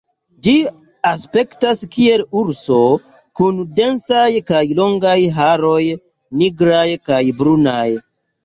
Ĝi aspektas kiel urso, kun densaj kaj longaj haroj nigraj kaj brunaj.